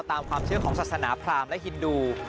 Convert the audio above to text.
ตามความเชื่อของศาสนาพรามและฮินดู